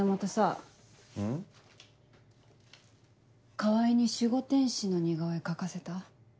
川合に守護天使の似顔絵描かせた？